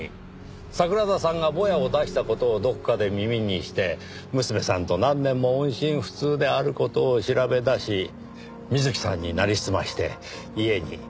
桜田さんがボヤを出した事をどこかで耳にして娘さんと何年も音信不通である事を調べ出し美月さんになりすまして家に入り込んだ。